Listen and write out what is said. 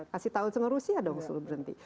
kasih tahu semua rusia dong selalu berhenti